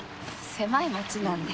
狭い町なんで。